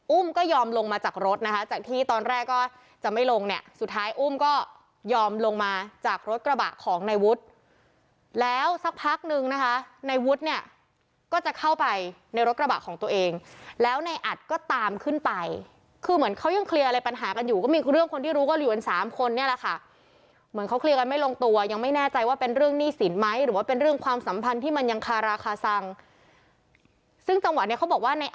อุ้มก็ยอมลงมาจากรถนะคะจากที่ตอนแรกก็จะไม่ลงเนี่ยสุดท้ายอุ้มก็ยอมลงมาจากรถกระบะของในวุฒิคุยกันอยู่สักพักหนึ่งนะคะในวุฒิคุยกันอยู่สักพักหนึ่งนะคะในวุฒิคุยกันอยู่สักพักหนึ่งนะคะในวุฒิคุยกันอยู่สักพักหนึ่งนะคะในวุฒิคุยกันอยู่สักพักหนึ่งนะคะในวุฒิคุยกันอยู่สักพักหนึ่งนะคะใน